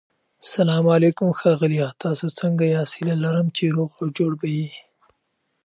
سلام علیکم ښاغلیه تاسو سنګه یاست هيله لرم چی روغ او جوړ به يي